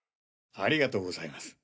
ありがとうございます。